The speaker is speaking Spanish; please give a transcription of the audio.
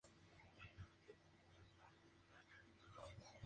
Forma parte del conjunto de lienzos conocidos como Santas de Zurbarán.